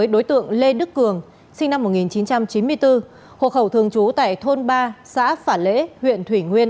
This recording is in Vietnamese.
đối tượng lê đức cường sinh năm một nghìn chín trăm chín mươi bốn hộ khẩu thường trú tại thôn ba xã phả lễ huyện thủy nguyên